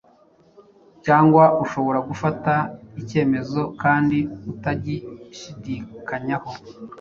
Cyangwa ushobora gufata icyemezo kandi utagishidikanyaho,